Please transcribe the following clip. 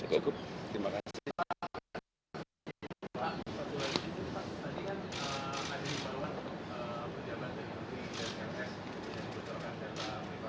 yang dibutuhkan serba privasi masing masing yang terakhir